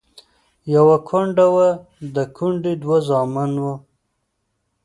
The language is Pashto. يوه کونډه وه، د کونډې دوه زامن وو.